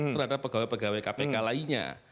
terhadap pegawai pegawai kpk lainnya